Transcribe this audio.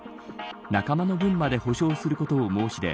仲間の分まで補償することを申し出